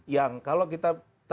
yang kalau kita tadi kak menikmati